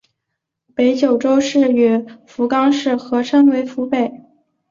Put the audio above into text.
北九州市与福冈市合称为福北。